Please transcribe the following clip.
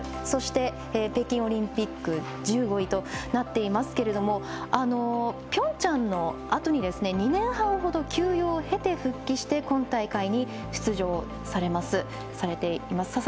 そして、北京オリンピック１５位となっていますけれどもピョンチャンのあとに２年半ほど休養を経て復帰して今大会に出場されています。